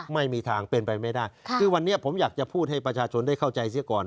ไม่มีทางเป็นไปไม่ได้คือวันนี้ผมอยากจะพูดให้ประชาชนได้เข้าใจเสียก่อน